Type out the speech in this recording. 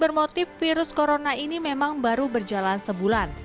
bermotif virus corona ini memang baru berjalan sebulan